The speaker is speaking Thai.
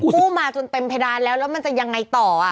กู้มาจนเต็มเพดานแล้วแล้วมันจะยังไงต่อ